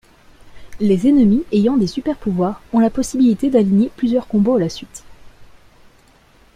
Les ennemis ayant des supers-pouvoirs ont la possibilité d'aligner plusieurs combos à la suite.